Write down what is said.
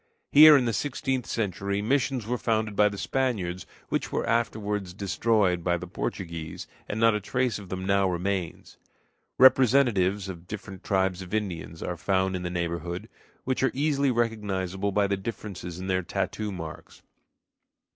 Here in the sixteenth century missions were founded by the Spaniards, which were afterward destroyed by the Portuguese, and not a trace of them now remains. Representatives of different tribes of Indians are found in the neighborhood, which are easily recognizable by the differences in their tattoo marks.